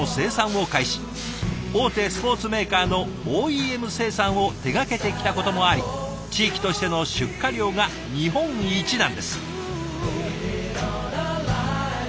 大手スポーツメーカーのＯＥＭ生産を手がけてきたこともあり地域としての出荷量が日本一なんです。